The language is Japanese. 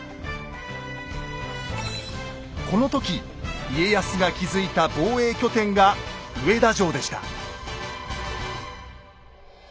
この時家康が築いた防衛拠点が上田城でした。